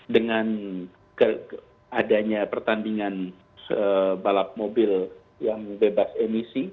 dengan adanya pertandingan balap mobil yang bebas emisi